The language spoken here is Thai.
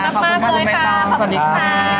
ขอบคุณน้ำมากเลยค่ะสวัสดีค่ะ